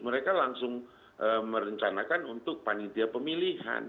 mereka langsung merencanakan untuk panitia pemilihan